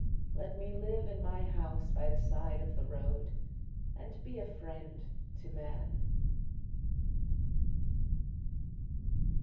Let me live in my house by the side of the road And be a friend to man.